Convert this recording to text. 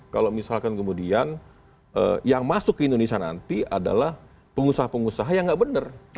kalau misalkan kemudian yang masuk ke indonesia nanti adalah pengusaha pengusaha yang nggak benar